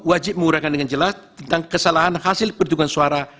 wajib menggunakan dengan jelas tentang kesalahan hasil perhitungan suara